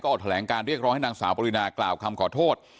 ออกแถลงการเรียกร้องให้นางสาวปรินากล่าวคำขอโทษ